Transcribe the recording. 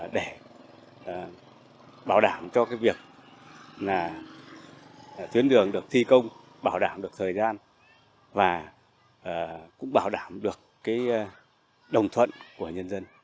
để bảo đảm cho việc tuyến đường được thi công bảo đảm được thời gian và cũng bảo đảm được đồng thuận của nhân dân